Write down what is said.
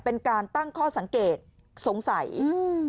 เป็นการตั้งข้อสังเกตสงสัยอืม